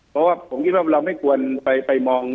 เพราะว่าผมคิดว่าเราไม่ควรไปมอง